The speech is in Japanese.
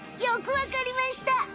よくわかりました。